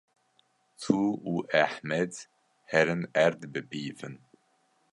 Tu û Ehmed herin erd bipîvin.